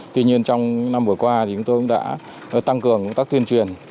tuy nhiên trong năm vừa qua thì chúng tôi cũng đã tăng cường công tác tuyên truyền